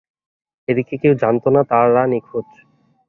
এদিকে কেউ জানত না তারা নিখোঁজ।